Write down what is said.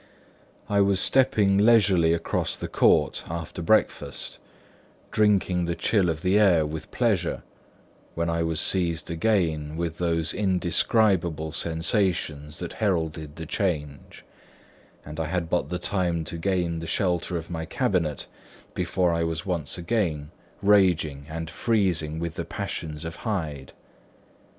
I was stepping leisurely across the court after breakfast, drinking the chill of the air with pleasure, when I was seized again with those indescribable sensations that heralded the change; and I had but the time to gain the shelter of my cabinet, before I was once again raging and freezing with the passions of Hyde.